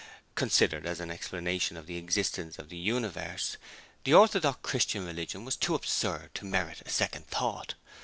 Considered as an explanation of the existence of the universe, the orthodox Christian religion was too absurd to merit a second thought.